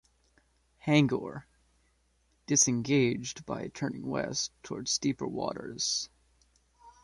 "Hangor" disengaged by turning west towards deeper waters.